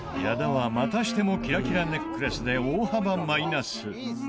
矢田はまたしてもキラキラネックレスで大幅マイナス。